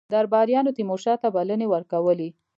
درباریانو تیمورشاه ته بلنې ورکولې.